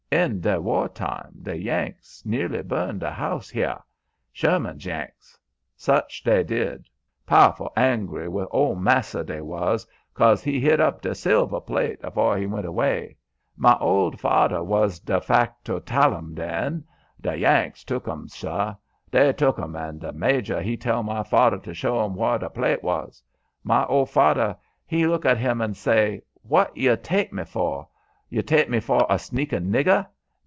"In deh war time de Yanks nearly burn deh house heah Sherman's Yanks. Such dey did; po'ful angry wi' ol' massa dey was, 'cause he hid up deh silver plate afore he went away. My ol' fader was de factotalum den. De Yanks took 'm, suh; dey took 'm, and deh major he tell my fader to show 'm whar deh plate was. My ol' fader he look at 'm an' say: 'Wot yuh take me foh? Yuh take me foh a sneakin' nigger?